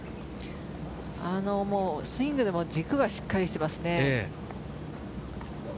スイングでも軸がしっかりしていますね。